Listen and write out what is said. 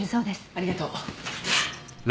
ありがとう。